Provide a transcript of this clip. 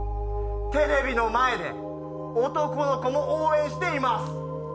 テレビの前で男の子も応援しています。